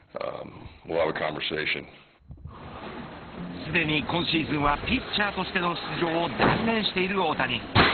すでに今シーズンはピッチャーとしての出場を断念している大谷。